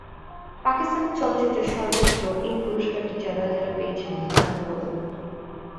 পাকিস্তানের চলচ্চিত্রে সর্ব্বোচ্চ এই পুরস্কারটি যারা যারা পেয়েছেন তারা হলেনঃ